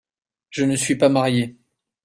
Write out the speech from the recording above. Je ne suis pas marié.